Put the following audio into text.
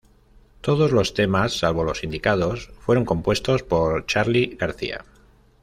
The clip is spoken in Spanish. Todos los temas —salvo los indicados— fueron compuestos por Charly García.